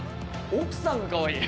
「奥さんがかわいい」